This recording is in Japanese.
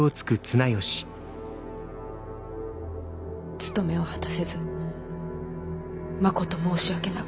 つとめを果たせずまこと申し訳なく。